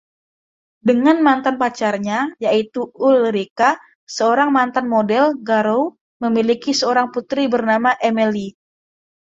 Dengan mantan pacarnya, yaitu Ulrika, seorang mantan model, Garou memiliki seorang putri bernama Emelie,